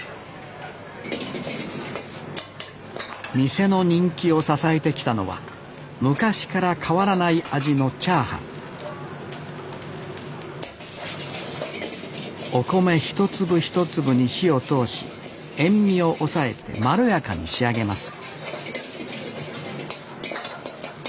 店の人気を支えてきたのは昔から変わらない味のチャーハンお米一粒一粒に火を通し塩みを抑えてまろやかに仕上げます